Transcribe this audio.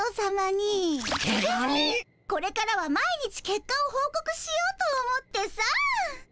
これからは毎日けっかをほうこくしようと思ってさ。